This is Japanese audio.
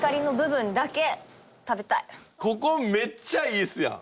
ここめっちゃいいっすやん。